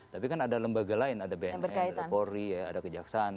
tapi kan ada lembaga lain ada bnn ada polri ada kejaksaan